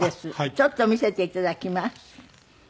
ちょっと見せていただきます。